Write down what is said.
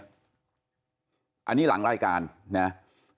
อันนี้หลังรายการนะ